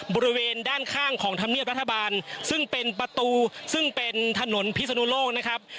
บริเวณด้านข้างของธรรมเนียบรัฐบาลซึ่งเป็นประตูซึ่งเป็นถนนพิศนุโลกนะครับ